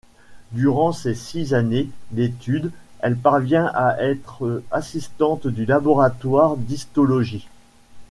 Durant ses six années d'études, elle parvient à être assistante du laboratoire d'histologie.